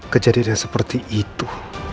kejadian seperti itu